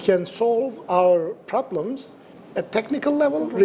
kami bisa menyelesaikan masalah kami